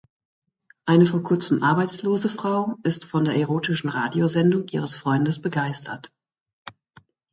Eine vor kurzem arbeitslose Frau ist von der erotischen Radiosendung ihres Freundes begeistert.